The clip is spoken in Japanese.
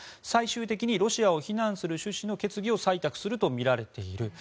最終的にロシアを非難する趣旨の決議を採択するとみられている。